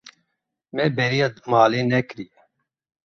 Me bêriya malê nekiriye.